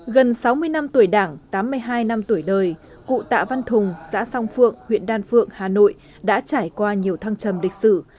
gần sáu mươi năm tuổi đảng tám mươi hai năm tuổi đời cụ tạ văn thùng xã song phượng huyện đan phượng hà nội đã trải qua nhiều thăng trầm lịch sử